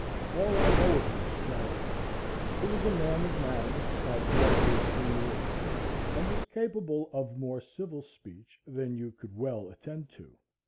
All I know of him is tragic. He was a man of manners, like one who had seen the world, and was capable of more civil speech than you could well attend to.